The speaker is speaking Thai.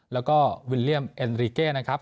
แล้วก็วิลเลี่ยมเอ็นริเก้นะครับ